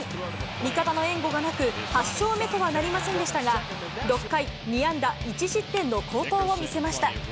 味方の援護がなく、８勝目とはなりませんでしたが、６回２安打１失点の好投を見せました。